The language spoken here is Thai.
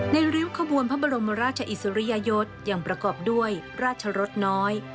ริ้วขบวนพระบรมราชอิสริยยศยังประกอบด้วยราชรสน้อย